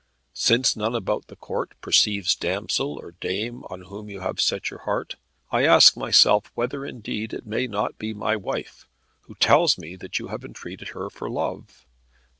Since none about the Court perceives damsel or dame on whom you have set your heart, I ask myself whether indeed it may not be my wife, who tells me that you have entreated her for love.